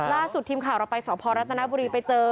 ล่าสุดทีมข่าวเราไปสพรัฐนบุรีไปเจอ